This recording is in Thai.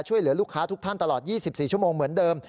ช่วยเหลือลูกค้าทุกท่านตลอด๒๔ชั่วโมงเหมือนเดิม